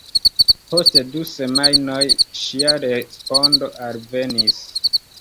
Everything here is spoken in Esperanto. Post du semajnoj ŝia respondo alvenis.